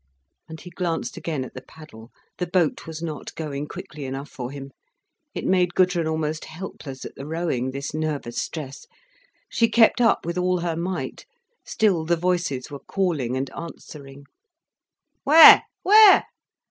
And he glanced again at the paddle, the boat was not going quickly enough for him. It made Gudrun almost helpless at the rowing, this nervous stress. She kept up with all her might. Still the voices were calling and answering. "Where, where?